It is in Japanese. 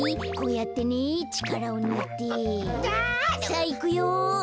さあいくよ。